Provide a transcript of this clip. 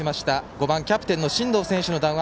５番キャプテン進藤選手の談話